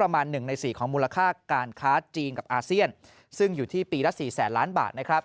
ประมาณ๑ใน๔ของมูลค่าการค้าจีนกับอาเซียนซึ่งอยู่ที่ปีละ๔แสนล้านบาทนะครับ